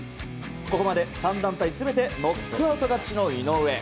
ここまで３団体全てにノックアウト勝ちの井上。